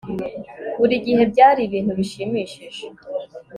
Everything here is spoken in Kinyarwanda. buri gihe byari ibintu bishimishije